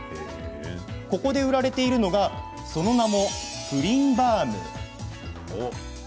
ここで売られているのがその名もプリンバウム。